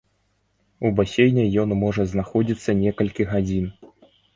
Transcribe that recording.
У басейне ён можа знаходзіцца некалькі гадзін.